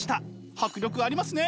迫力ありますね！